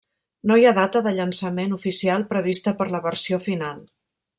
No hi ha data de llançament oficial prevista per la versió final.